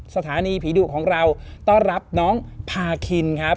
สถานีผีดุของเราต้อนรับน้องพาคินครับ